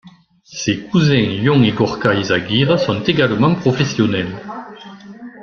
Ses cousins Ion et Gorka Izagirre sont également professionnels.